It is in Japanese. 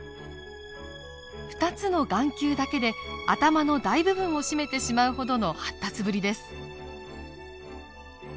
２つの眼球だけで頭の大部分を占めてしまうほどの発達ぶりです。